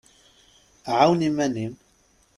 ɛawen iman-im.